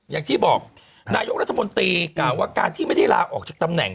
อย่างที่บอกนายกรัฐมนตรีกล่าวว่าการที่ไม่ได้ลาออกจากตำแหน่ง